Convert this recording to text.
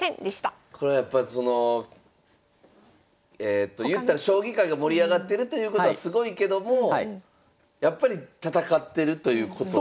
これやっぱりそのいったら将棋界が盛り上がってるということはすごいけどもやっぱり戦ってるということ。